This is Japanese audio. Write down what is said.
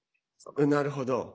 なるほど。